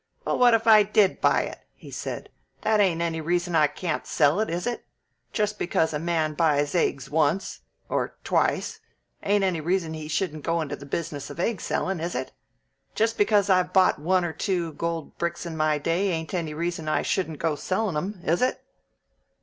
"Well, what if I did buy it?" he said. "That ain't any reason I can't sell it, is it? Just because a man buys eggs once or twice ain't any reason he shouldn't go into the business of egg selling, is it? Just because I've bought one or two gold bricks in my day ain't any reason I shouldn't go to sellin' 'em, is it?"